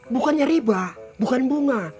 bukannya riba bukan bunga